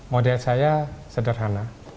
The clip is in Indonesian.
model saya sederhana